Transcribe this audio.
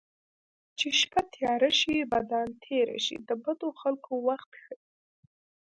چې شپه تیاره شي بدان تېره شي د بدو خلکو وخت ښيي